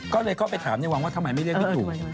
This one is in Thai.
ก็เลยเข้าไปถามในวังว่าทำไมไม่เรียกพี่หนุ่ม